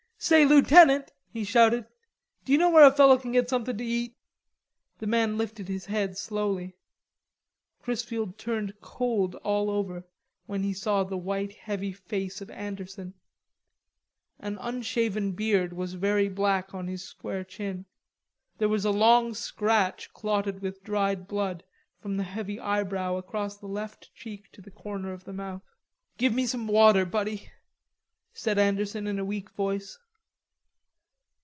"Say, Lootenant," he shouted, "d'you know where a fellow can get somethin' to eat." The man lifted his head slowly. Chrisfield turned cold all over when he saw the white heavy face of Anderson; an unshaven beard was very black on his square chin; there was a long scratch clotted with dried blood from the heavy eyebrow across the left cheek to the corner of the mouth. "Give me some water, buddy," said Anderson in a weak voice.